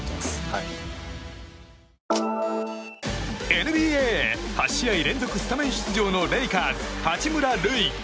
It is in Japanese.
ＮＢＡ８試合連続スタメン出場のレイカーズ、八村塁。